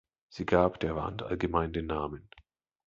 Sie gab der Wand allgemein den Namen.